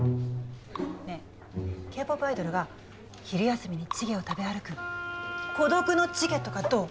ねぇＫ−ＰＯＰアイドルが昼休みにチゲを食べ歩く「孤独のチゲ」とかどう？